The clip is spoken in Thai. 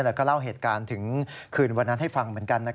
แล้วก็เล่าเหตุการณ์ถึงคืนวันนั้นให้ฟังเหมือนกัน